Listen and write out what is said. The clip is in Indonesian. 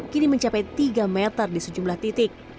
kini mencapai tiga meter di sejumlah titik